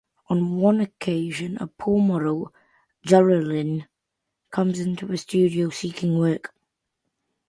On one occasion a poor model, Geraldine, comes into the studio seeking work.